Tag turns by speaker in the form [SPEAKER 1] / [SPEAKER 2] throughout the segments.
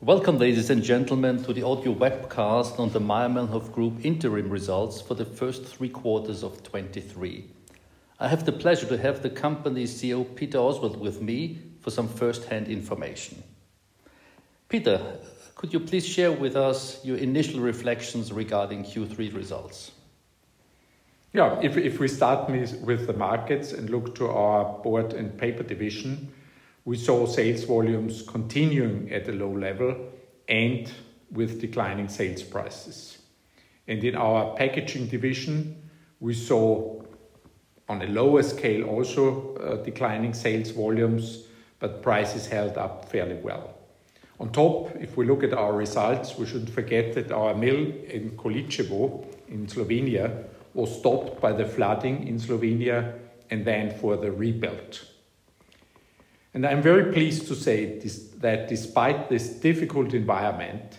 [SPEAKER 1] Welcome, ladies and gentlemen, to the audio webcast on the Mayr-Melnhof Group interim results for the first three quarters of 2023. I have the pleasure to have the company CEO, Peter Oswald, with me for some firsthand information. Peter, could you please share with us your initial reflections regarding Q3 results?
[SPEAKER 2] Yeah. If we start with the markets and look to our Board and Paper division, we saw sales volumes continuing at a low level and with declining sales prices. And in our packaging division, we saw on a lower scale also declining sales volumes, but prices held up fairly well. On top, if we look at our results, we shouldn't forget that our mill in Količevo, in Slovenia, was stopped by the flooding in Slovenia and then further rebuilt. And I'm very pleased to say this, that despite this difficult environment,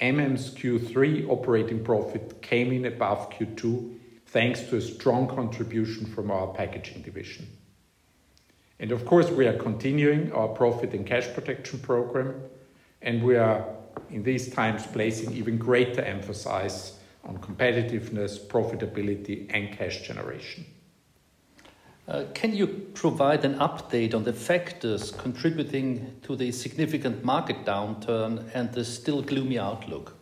[SPEAKER 2] MM's Q3 operating profit came in above Q2, thanks to a strong contribution from our packaging division. And of course, we are continuing our Profit and Cash Protection Program, and we are, in these times, placing even greater emphasis on competitiveness, profitability, and cash generation..
[SPEAKER 1] Can you provide an update on the factors contributing to the significant market downturn and the still gloomy outlook?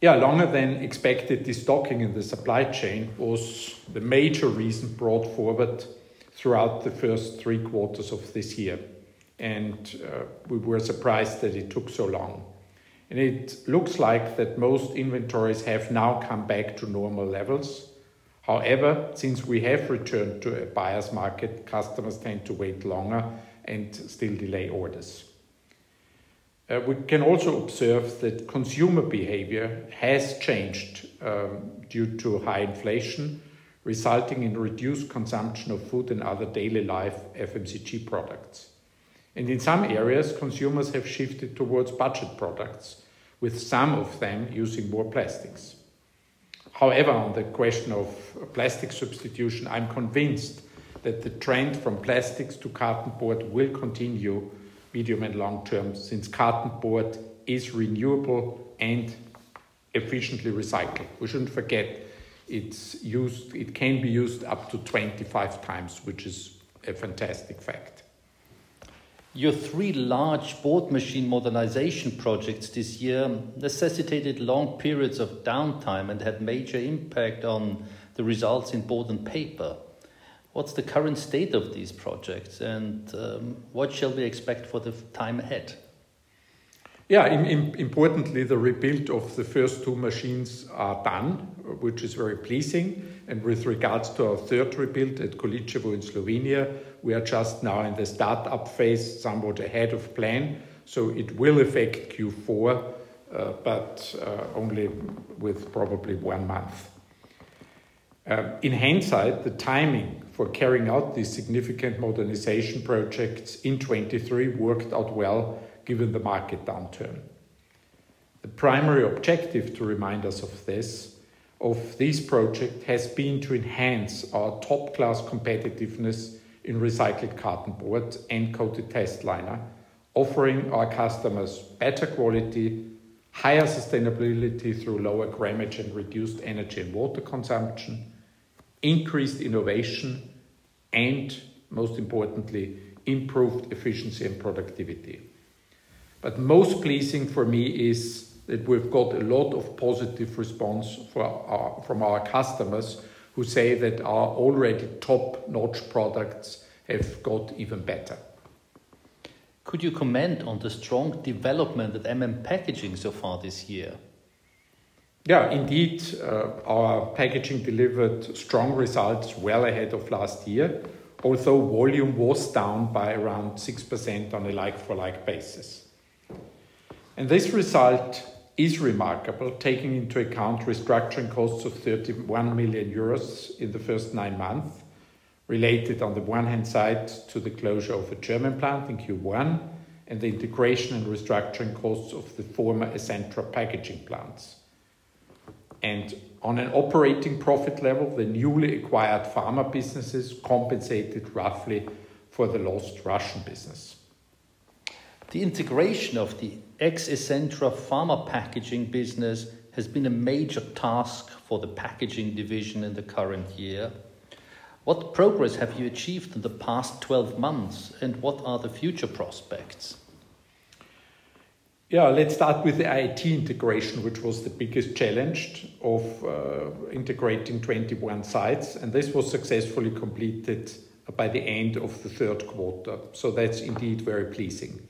[SPEAKER 2] Yeah. Longer than expected, destocking in the supply chain was the major reason brought forward throughout the first three quarters of this year, and we were surprised that it took so long. It looks like that most inventories have now come back to normal levels. However, since we have returned to a buyer's market, customers tend to wait longer and still delay orders. We can also observe that consumer behavior has changed due to high inflation, resulting in reduced consumption of food and other daily life FMCG products. In some areas, consumers have shifted towards budget products, with some of them using more plastics. However, on the question of plastic substitution, I'm convinced that the trend from plastics to cartonboard will continue medium and long term, since cartonboard is renewable and efficiently recycled. We shouldn't forget, it can be used up to 25 times, which is a fantastic fact.
[SPEAKER 1] Your three large board machine modernization projects this year necessitated long periods of downtime and had major impact on the results in board and paper. What's the current state of these projects, and, what shall we expect for the time ahead?
[SPEAKER 2] Yeah. Importantly, the rebuild of the first two machines are done, which is very pleasing. And with regards to our third rebuild at Količevo in Slovenia, we are just now in the start-up phase, somewhat ahead of plan. So it will affect Q4, but only with probably one month. In hindsight, the timing for carrying out these significant modernization projects in 2023 worked out well, given the market downturn. The primary objective, to remind us of this, of this project, has been to enhance our top-class competitiveness in recycled cartonboard and Coated Testliner, offering our customers better quality, higher sustainability through lower grammage and reduced energy and water consumption, increased innovation, and most importantly, improved efficiency and productivity. But most pleasing for me is that we've got a lot of positive response for our... from our customers, who say that our already top-notch products have got even better.
[SPEAKER 1] Could you comment on the strong development at MM Packaging so far this year?
[SPEAKER 2] Yeah, indeed, our packaging delivered strong results well ahead of last year, although volume was down by around 6% on a like-for-like basis. And this result is remarkable, taking into account restructuring costs of 31 million euros in the first nine months, related, on the one hand side, to the closure of a German plant in Q1, and the integration and restructuring costs of the former Essentra Packaging plants. And on an operating profit level, the newly acquired pharma businesses compensated roughly for the lost Russian business.
[SPEAKER 1] The integration of the ex-Essentra pharma packaging business has been a major task for the packaging division in the current year. What progress have you achieved in the past twelve months, and what are the future prospects?
[SPEAKER 2] Yeah, let's start with the IT integration, which was the biggest challenge of integrating 21 sites, and this was successfully completed by the end of the third quarter. So that's indeed very pleasing.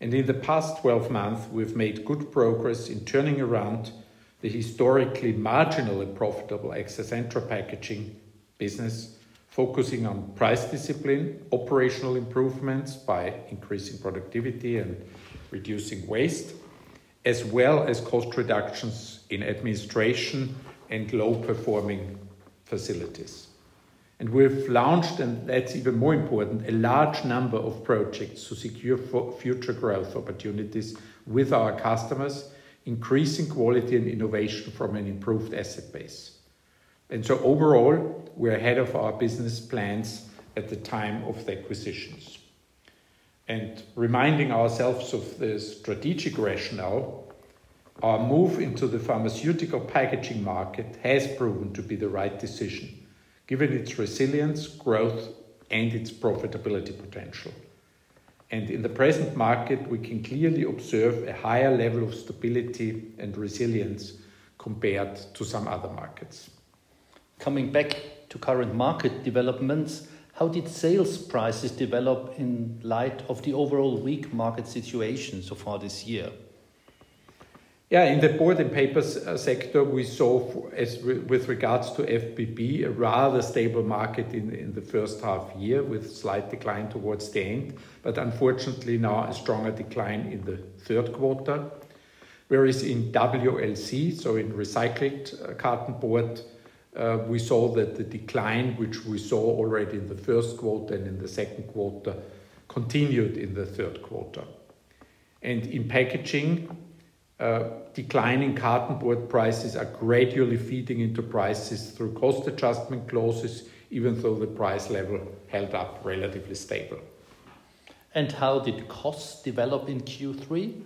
[SPEAKER 2] And in the past 12 months, we've made good progress in turning around the historically marginal and profitable ex-Essentra Packaging business, focusing on price discipline, operational improvements by increasing productivity and reducing waste, as well as cost reductions in administration and low-performing facilities. And we've launched, and that's even more important, a large number of projects to secure future growth opportunities with our customers, increasing quality and innovation from an improved asset base.... And so overall, we're ahead of our business plans at the time of the acquisitions. Reminding ourselves of the strategic rationale, our move into the pharmaceutical packaging market has proven to be the right decision, given its resilience, growth, and its profitability potential. In the present market, we can clearly observe a higher level of stability and resilience compared to some other markets.
[SPEAKER 1] Coming back to current market developments, how did sales prices develop in light of the overall weak market situation so far this year?
[SPEAKER 2] Yeah, in the board and paper sector, we saw, with regards to FBB, a rather stable market in the first half year, with slight decline towards the end, but unfortunately now a stronger decline in the third quarter. Whereas in WLC, so in recycled cartonboard, we saw that the decline, which we saw already in the first quarter and in the second quarter, continued in the third quarter. In packaging, declining cartonboard prices are gradually feeding into prices through cost adjustment clauses, even though the price level held up relatively stable.
[SPEAKER 1] How did costs develop in Q3?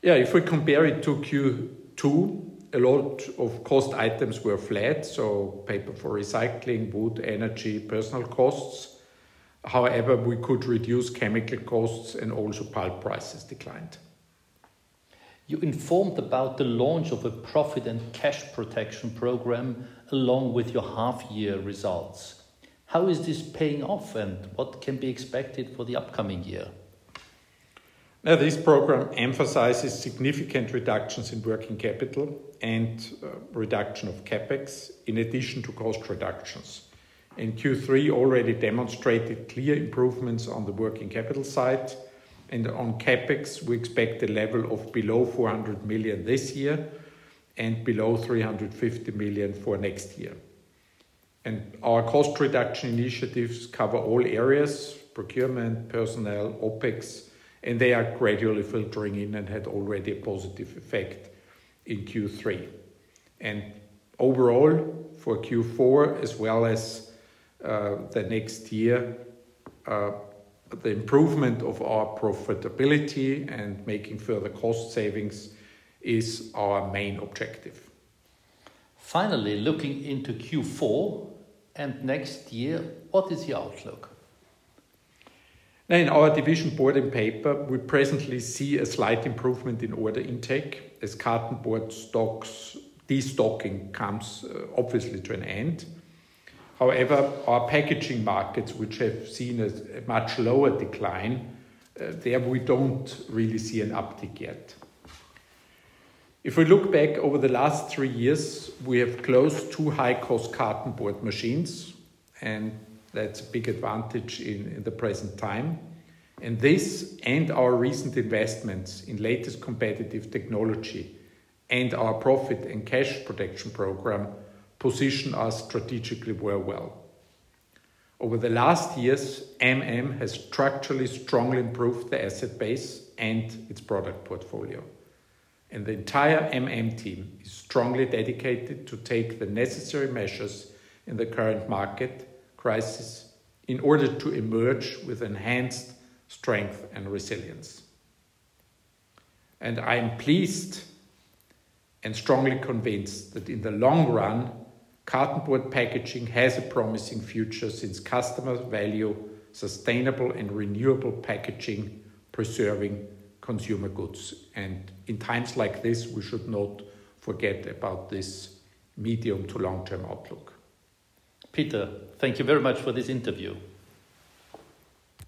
[SPEAKER 2] Yeah, if we compare it to Q2, a lot of cost items were flat, so paper for recycling, wood, energy, personnel costs. However, we could reduce chemical costs, and also pulp prices declined.
[SPEAKER 1] You informed about the launch of a Profit and Cash Protection Program along with your half-year results. How is this paying off, and what can be expected for the upcoming year?
[SPEAKER 2] Now, this program emphasizes significant reductions in working capital and, reduction of CapEx, in addition to cost reductions. In Q3, already demonstrated clear improvements on the working capital side, and on CapEx, we expect a level of below 400 million this year, and below 350 million for next year. Our cost reduction initiatives cover all areas: procurement, personnel, OpEx, and they are gradually filtering in and had already a positive effect in Q3. Overall, for Q4, as well as, the next year, the improvement of our profitability and making further cost savings is our main objective.
[SPEAKER 1] Finally, looking into Q4 and next year, what is the outlook?
[SPEAKER 2] In our division Board and Paper, we presently see a slight improvement in order intake, as cartonboard stocks destocking comes obviously to an end. However, our packaging markets, which have seen a much lower decline, there we don't really see an uptick yet. If we look back over the last three years, we have closed two high-cost cartonboard machines, and that's a big advantage in the present time. And this, and our recent investments in latest competitive technology and our Profit and Cash Protection Program, position us strategically very well. Over the last years, MM has structurally strongly improved the asset base and its product portfolio, and the entire MM team is strongly dedicated to take the necessary measures in the current market crisis in order to emerge with enhanced strength and resilience. I'm pleased and strongly convinced that in the long run, cartonboard packaging has a promising future since customers value sustainable and renewable packaging, preserving consumer goods. In times like this, we should not forget about this medium to long-term outlook.
[SPEAKER 1] Peter, thank you very much for this interview.